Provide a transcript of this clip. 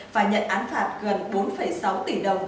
và nhận án phạt gần bốn sáu tỷ đồng